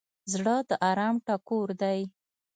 زړه د ارام ټکور دی.